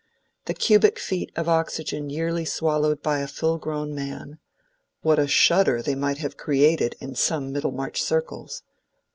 The cubic feet of oxygen yearly swallowed by a full grown man—what a shudder they might have created in some Middlemarch circles!